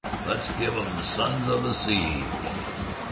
"Let's give 'em 'Sons of the Sea!'"